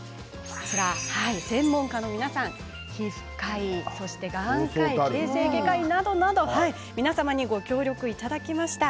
専門家の皆さん、皮膚科医眼科医、形成外科医などなど皆様に、ご協力いただきました。